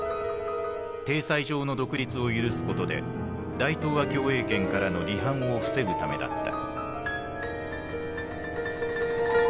体裁上の独立を許すことで大東亜共栄圏からの離反を防ぐためだった。